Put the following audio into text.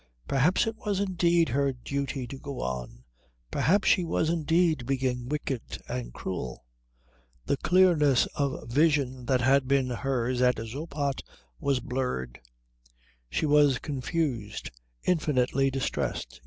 Perhaps it was indeed her duty to go on, perhaps she was indeed being wicked and cruel. The clearness of vision that had been hers at Zoppot was blurred; she was confused, infinitely distressed.